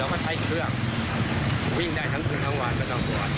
เราก็ใช้เครื่องวิ่งได้ทั้งคืนทางหวานกันทั้งตัว